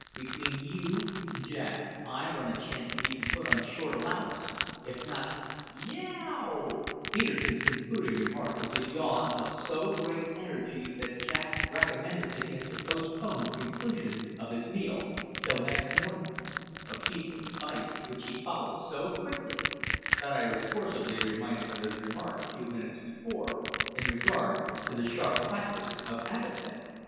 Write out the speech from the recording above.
Between you and Jack I run a chance of being put on short allowance, if not yei a a ow!" Peterkin's concluding remark was a yawn of so great energy that Jack recommended him to postpone the conclusion of his meal till next morning a piece of advice which he followed so quickly that I was forcibly reminded of his remark, a few minutes before, in regard to the sharp practice of Avatea.